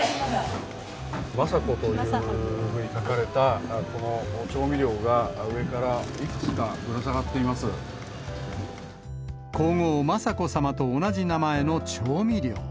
マサコというふうに書かれたこの調味料が、上からいくつかぶら下皇后、雅子さまと同じ名前の調味料。